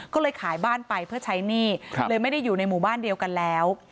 ก็เลยขายบ้านไปเพื่อใช้หนี้เลยไม่ได้อยู่ในหมู่บ้านเดียวกันแล้ว